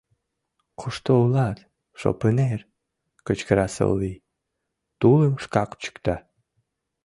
— Кушто улат, шопынер? — кычкыра Сылвий, тулым шкак чӱкта.